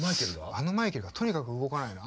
あのマイケルがとにかく動かないの。